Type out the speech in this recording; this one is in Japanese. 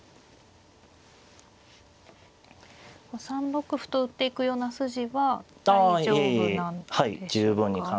３六歩と打っていくような筋は大丈夫なんでしょうか。